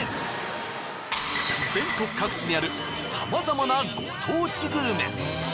全国各地にあるさまざまなご当地グルメ。